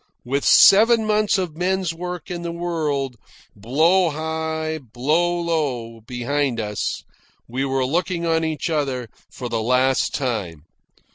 With seven months of men's work in the world, blow high, blow low, behind us, we were looking on each other for the last time.